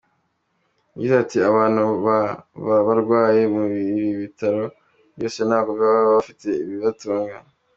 Yagize ati “Abantu baba barwariye muri ibi bitaro bose ntabwo baba bafite ibibatunga.